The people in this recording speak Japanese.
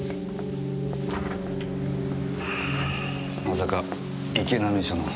まさか池波署の。